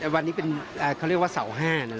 วันนี้เป็นเขาเรียกว่าเสา๕นะ